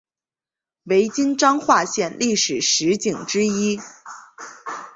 为今彰化县历史十景之一。